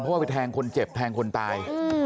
เพราะว่าไปแทงคนเจ็บแทงคนตาย